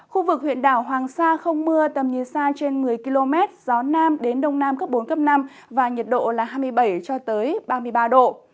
khu vực huyện đảo hoàng sa không mưa tầm nhìn xa trên một mươi km gió nam đến đông nam cấp bốn cấp năm và nhiệt độ là hai mươi bảy ba mươi ba độ